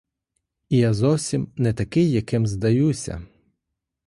І я зовсім не такий, яким здаюся.